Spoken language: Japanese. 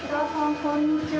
こんにちは。